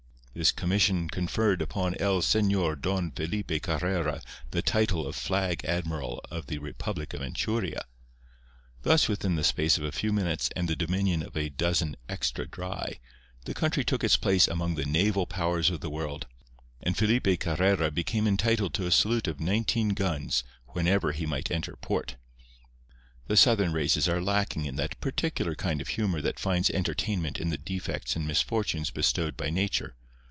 This commission conferred upon el Señor Don Felipe Carrera the title of Flag Admiral of the Republic of Anchuria. Thus within the space of a few minutes and the dominion of a dozen "extra dry," the country took its place among the naval powers of the world, and Felipe Carrera became entitled to a salute of nineteen guns whenever he might enter port. The southern races are lacking in that particular kind of humour that finds entertainment in the defects and misfortunes bestowed by Nature.